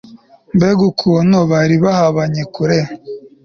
Mbega ukuntu bari bahabanye kure